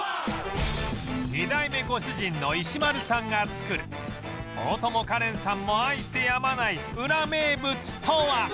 ２代目ご主人の石丸さんが作る大友花恋さんも愛してやまないウラ名物とは？